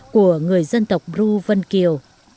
của người dân tộc bru vân kiều